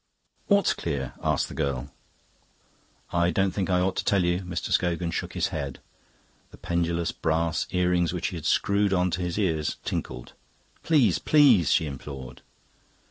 "What's clear?" asked the girl. "I don't think I ought to tell you." Mr. Scogan shook his head; the pendulous brass ear rings which he had screwed on to his ears tinkled. "Please, please!" she implored.